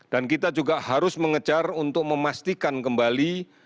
dan kita juga harus mengejar untuk memastikan kembali